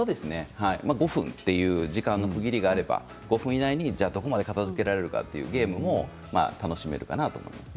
５分という時間の区切りがあれば５分以内でどこまで片づけられるかというゲームも楽しめるかなと思います。